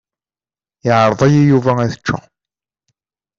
Iɛreḍ-iyi Yuba ad ččeɣ.